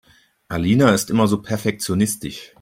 Alina ist immer so perfektionistisch.